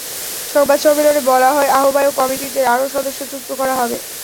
সংবাদ সম্মেলনে বলা হয়, আহ্বায়ক কমিটিতে আরও সদস্য যুক্ত করা হবে।